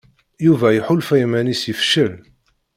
Yuba iḥulfa iman-is yefcel.